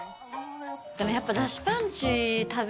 でもやっぱ。